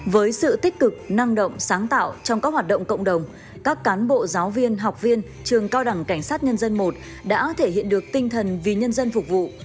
với sự tích cực năng động sáng tạo trong các hoạt động cộng đồng các cán bộ giáo viên học viên trường cao đẳng cảnh sát nhân dân i đã thể hiện được tinh thần vì nhân dân phục vụ